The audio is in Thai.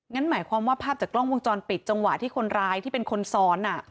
หมายความว่าภาพจากกล้องวงจรปิดจังหวะที่คนร้ายที่เป็นคนซ้อน